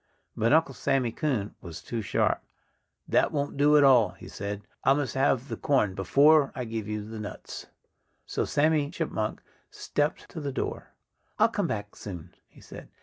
But Uncle Sammy Coon was too sharp. "That won't do at all," he said. "I must have the corn before I give you the nuts." So Sandy Chipmunk stepped to the door. "I'll come back soon," he said.